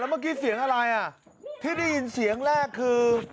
เมื่อกี้เสียงอะไรอ่ะที่ได้ยินเสียงแรกคือ